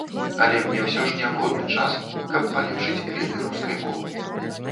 Але мне ўсё ж неабходны час, каб палепшыць веды рускай мовы.